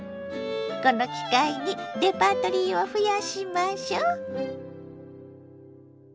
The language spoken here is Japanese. この機会にレパートリーを増やしましょ。